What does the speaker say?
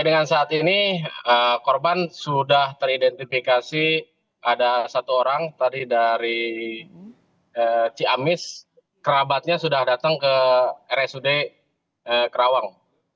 dengan saat ini korban sudah teridentifikasi ada satu orang tadi dari ciamis kerabatnya sudah datang ke rsud kerawang